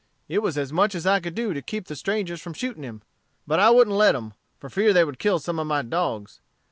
It was as much as I could do to keep the strangers from shooting him; but I wouldn't let 'em, for fear they would kill some of my dogs.